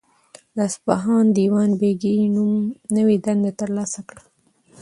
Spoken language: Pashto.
د اصفهان دیوان بیګي نوی دنده ترلاسه کړه.